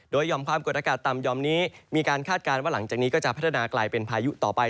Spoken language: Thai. โดยห่อมความกดอากาศต่ำห่อมนี้มีการคาดการณ์ว่าหลังจากนี้ก็จะพัฒนากลายเป็นพายุต่อไป